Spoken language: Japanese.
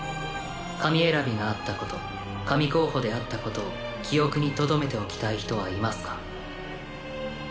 神選びがあったこと神候補であったことを記憶にとどめておきたい人はいますか？